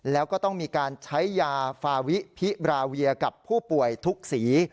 แล้วก็ต้องมีการใช้ยาฟาวิพิบราเวียกับผู้ป่วยทุกสี